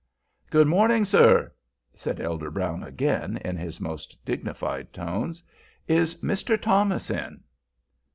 "Good mornin', sir," said Elder Brown again, in his most dignified tones. "Is Mr. Thomas in?"